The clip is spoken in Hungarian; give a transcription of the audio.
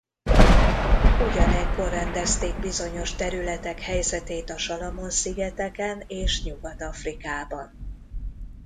Ugyanekkor rendezték bizonyos területek helyzetét a Salamon-szigeteken és Nyugat-Afrikában.